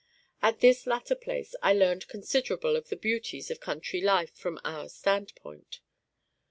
At this latter place I learned considerable of the beauties(?) of country life from our standpoint.